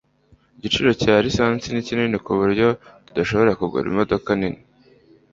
igiciro cya lisansi ni kinini kuburyo tudashobora kugura imodoka nini